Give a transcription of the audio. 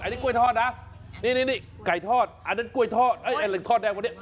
อันนี้กล้วยทอดนะนี่ไก่ทอดอันนั้นกล้วยทอดเหล็กทอดแดงวันนี้